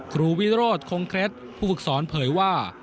ครูวิโรธคงเคล็ดผู้ฝึกสอนเผยว่า